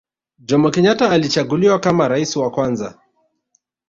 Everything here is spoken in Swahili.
Jomo Kenyatta alichaguliwa kama rais wa kwanza